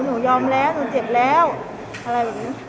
หนูยอมแล้วหนูเจ็บแล้วอะไรอย่างนี้